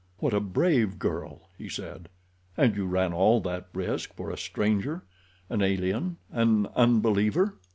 "What a brave girl," he said. "And you ran all that risk for a stranger—an alien—an unbeliever?"